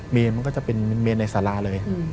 มันก็จะเป็นเมนในสาราเลย